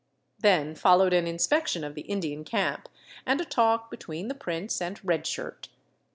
Then followed an inspection of the Indian camp and a talk between the prince and Red Shirt.